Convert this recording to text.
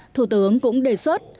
thủ tướng cũng đề xuất